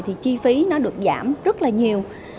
thì chi phí nó được giảm rất là nhiều